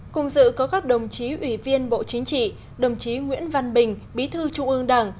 cùng dự có các đồng chí ủy viên bộ chính trị đồng chí nguyễn văn bình bí thư trung ương đảng